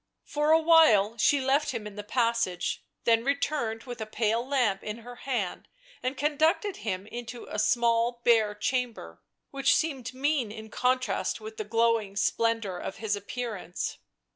For a while she left him in the passage, then returned with a pale lamp in her hand and conducted him into a small, bare chamber, which seemed mean in contrast with the glowing splendour of his appearance.